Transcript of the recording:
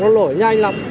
nó lỗi nhanh lắm